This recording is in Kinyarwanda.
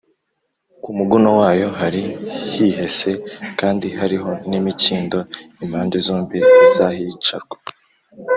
ku muguno wayo hari hihese kandi hariho n’imikindo impande zombi z’ahicarwa